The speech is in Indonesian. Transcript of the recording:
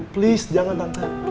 please jangan tante